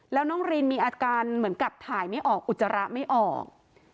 แล้วน้องรินมีอาการเหมือนกับถ่ายไม่ออกอุจจาระไม่ออก